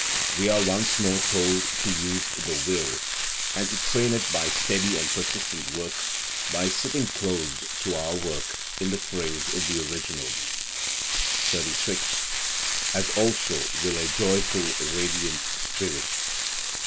We are once more told to use the will, and to train it by steady and persistent work: by "sitting close" to our work, in the phrase of the original. 36. As also will a joyful, radiant spirit.